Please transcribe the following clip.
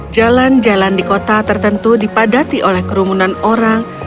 jalan jalan di kota tertentu dipadati oleh kerumunan orang